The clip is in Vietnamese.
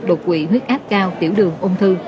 đột quỵ huyết áp cao tiểu đường ôn thư